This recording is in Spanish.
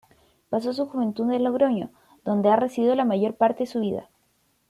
Pasó su juventud en Logroño, donde ha residido la mayor parte de su vida.